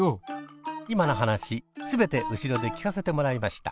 今の話全て後ろで聞かせてもらいました。